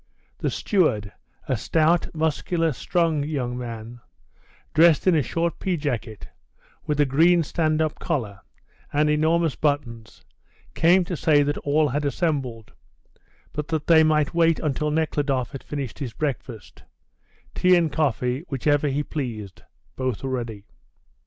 The steward, a stout, muscular, strong young man, dressed in a short pea jacket, with a green stand up collar, and enormous buttons, came to say that all had assembled, but that they might wait until Nekhludoff had finished his breakfast tea and coffee, whichever he pleased; both were ready.